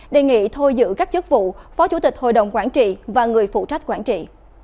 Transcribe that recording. đề nghị thôi giữ các chức vụ phó chủ tịch hội đồng quản trị và người phụ trách quản trị